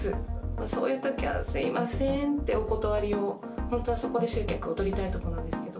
そういうときは、すみませんって、お断りを本当はそこで集客を取りたいんですけど。